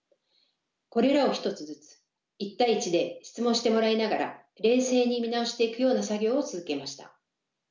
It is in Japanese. これらを１つずつ１対１で質問してもらいながら冷静に見直していくような作業を続けました。